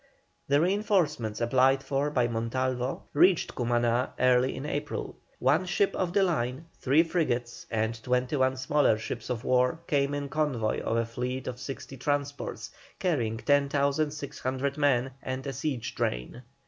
The reinforcements applied for by Montalvo reached Cumaná early in April. One ship of the line, three frigates, and twenty one smaller ships of war came in convoy of a fleet of sixty transports, carrying 10,600 men and a siege train.